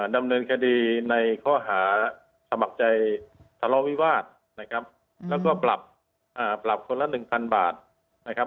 ดำเนินคดีในข้อหาสมัครใจทะเลาวิวาสนะครับแล้วก็ปรับคนละหนึ่งพันบาทนะครับ